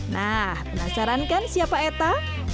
nah penasaran kan siapa eta